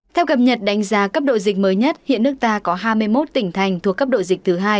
theo cập nhật đánh giá cấp độ dịch mới nhất hiện nước ta có hai mươi một tỉnh thành thuộc cấp độ dịch thứ hai